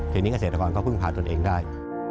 ทีนี้เกษตรกรก็พึ่งพาตนเองได้